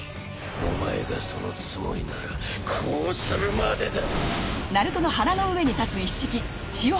お前がそのつもりならこうするまでだ！